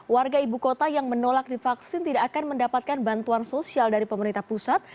warga ibu kota yang menolak divaksin tidak akan mendapatkan bantuan sosial dari pemerintah pusat